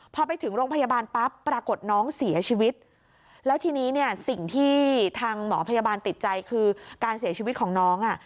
พอไปถึงโรงพยาบาลปั๊บปรากฏน้องเสียชีวิตแล้วทีนี้เนี่ยสิ่งที่ทางหมอพยาบาลติดใจคือการเสียชีวิตของน้องอ่ะ